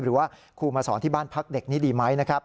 หรือว่าครูมาสอนที่บ้านพักเด็กนี้ดีไหมนะครับ